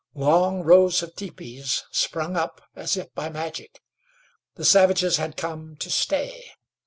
Long rows of teepees sprung up as if by magic. The savages had come to stay!